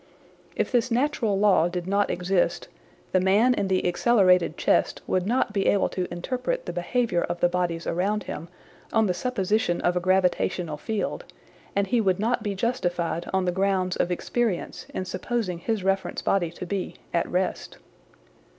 If this natural law did not exist, the man in the accelerated chest would not be able to interpret the behaviour of the bodies around him on the supposition of a gravitational field, and he would not be justified on the grounds of experience in supposing his reference body to be " at rest."